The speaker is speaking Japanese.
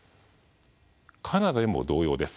カナダでも同様です。